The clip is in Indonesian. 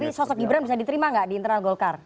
tapi sosok gibran bisa diterima nggak di internal golkar